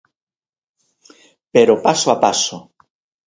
Pero paso a paso.